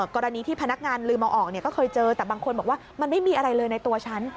กรณีที่พนักงานลืมเอาออกก็เคยเจอแต่บางคนบอกว่ามันไม่มีอะไรเลยในตัวฉัน